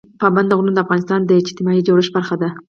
پابندی غرونه د افغانستان د اجتماعي جوړښت برخه ده.